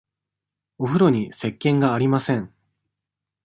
おふろにせっけんがありません。